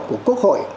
của quốc hội